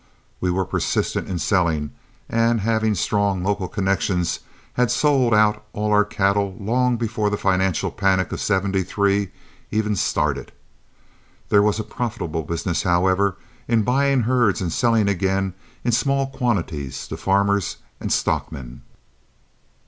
We were persistent in selling, and, having strong local connections, had sold out all our cattle long before the financial panic of '73 even started. There was a profitable business, however, in buying herds and selling again in small quantities to farmers and stockmen.